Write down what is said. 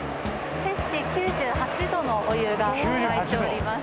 摂氏９８度のお湯が湧いております。